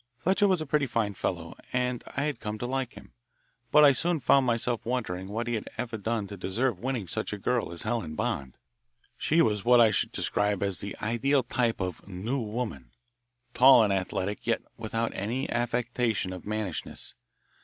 Fletcher was a pretty fine fellow, and I had come to like him; but I soon found myself wondering what he had ever done to deserve winning such a girl as Helen Bond. She was what I should describe as the ideal type of "new" woman, tall and athletic, yet without any affectation of mannishness.